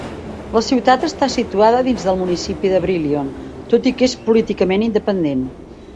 La ciutat està situada dins del municipi de Brillion, tot i que és políticament independent.